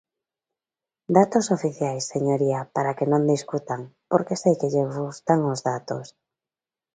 Datos oficiais, señoría, para que non discutan, porque sei que lles gustan os datos.